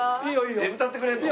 えっ歌ってくれるの？